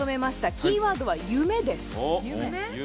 キーワードは「夢」です。